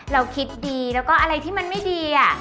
เราคิดดีแล้วก็อะไรที่มันไม่ดี